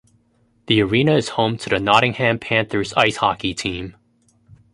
The arena is home to the Nottingham Panthers ice hockey team.